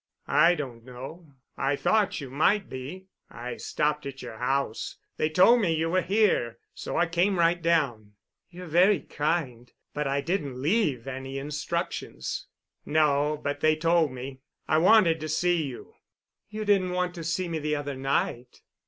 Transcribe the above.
"I don't know. I thought you might be. I stopped at your house. They told me you were here, so I came right down." "You're very kind—but I didn't leave any instructions." "No, but they told me. I wanted to see you." "You didn't want to see me the other night."